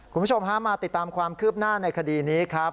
คุณผู้ชมฮะมาติดตามความคืบหน้าในคดีนี้ครับ